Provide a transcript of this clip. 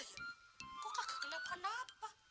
lah sih iya ya kok kagak kenapa napa